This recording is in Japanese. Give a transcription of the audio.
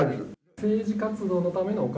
政治活動のためのお金？